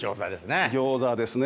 餃子ですね。